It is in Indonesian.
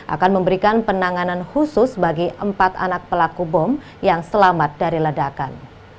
akan memberikan penanganan khusus bagi empat anak pelaku bom yang selamat dari ledakan